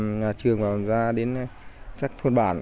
thì cũng vận động các hội gia đình ở gần đường với cũng phát xanh